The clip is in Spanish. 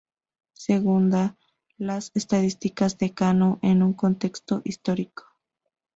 Segunda, las estadísticas de Cano en un contexto histórico.